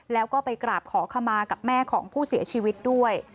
แล้วก็ไปกราบขอขมากับแม่ของผู้เสียชีวิตด้วย